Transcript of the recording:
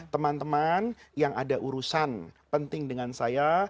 teman teman yang ada urusan penting dengan saya